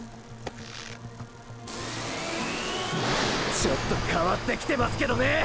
ちょっと変わってきてますけどねぇ！！